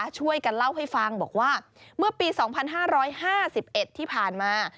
ช่วยกันเล่าให้ฟังบอกว่าเมื่อปีสองพันห้าร้อยห้าสิบเอ็ดที่ผ่านมา